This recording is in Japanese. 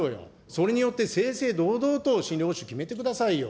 それによって正々堂々と診療報酬決めてくださいよ。